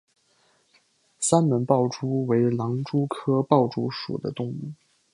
三门豹蛛为狼蛛科豹蛛属的动物。